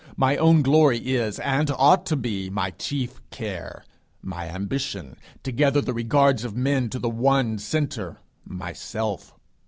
My own glory is, and ought to be, my chief care; my ambition, to gather the regards of men to the one centre, myself.